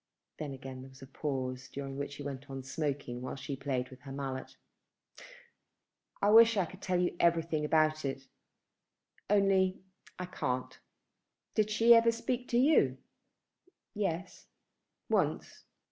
Then again there was a pause, during which he went on smoking while she played with her mallet. "I wish I could tell you everything about it; only I can't. Did she ever speak to you?" "Yes, once."